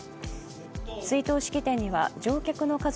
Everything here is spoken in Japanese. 追悼式典には乗客の家族